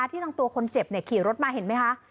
ที่ทางตัวคนเจ็บขี่รถมาเห็นไหมคะ